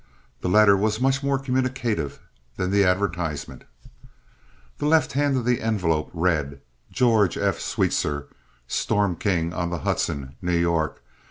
The letter was much more communicative than the advertisement. The left hand half of the envelope read: "George F. Sweetser, Storm King on the Hudson, New York.